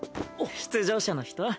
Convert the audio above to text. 出場者の人？